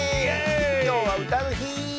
きょうはうたのひ！